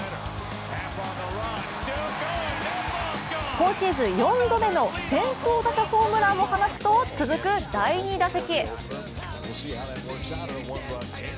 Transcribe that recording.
今シーズン４度目の先頭打者ホームランを放つと、続く第２打席。